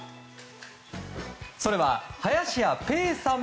それは、林家ペーさん